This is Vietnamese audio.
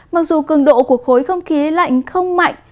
mặc dù cường độ của khối không khí lạnh không mạnh